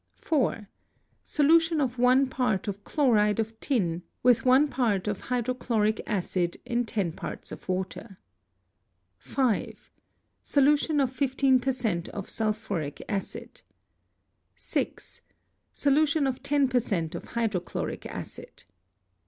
4. Solution of one part of chloride of tin with one part of hydro chloric acid in 10 parts of water. 5. Solution of 15 per cent. of sulphuric acid. Geuepo, 2of 10 .,, of hydrochloric acid.